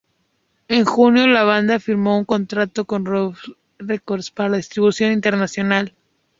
En junio, la banda firmó un contrato con Roadrunner Records para la distribución internacional.